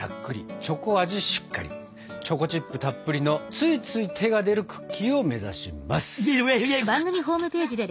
チョコチップたっぷりのついつい手が出るクッキーを目指します！